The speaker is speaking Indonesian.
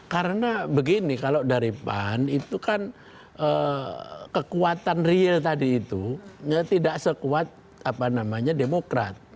karena begini kalau dari pan itu kan kekuatan real tadi itu tidak sekuat apa namanya demokrat